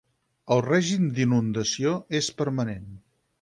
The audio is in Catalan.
El règim d'inundació és permanent.